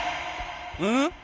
うん？